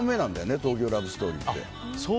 「東京ラブストーリー」って。